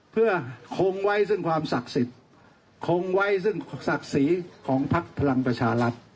เพื่อคงไว้ซึ่งความศักดิ์สิทธิ์คงไว้ซึ่งศักดิ์ศรีของพักพลังประชารัฐ